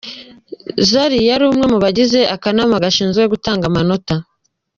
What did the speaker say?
Zari yari umwe mu bagize akanama gashinzwe gutanga amanota.